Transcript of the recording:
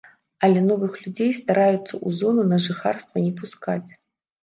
Але новых людзей стараюцца ў зону на жыхарства не пускаць.